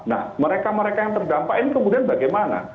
nah mereka mereka yang terdampak ini kemudian bagaimana